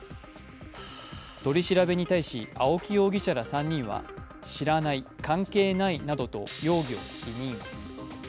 取り調べに対し青木容疑者ら３人は知らない、関係ないなどと容疑を否認。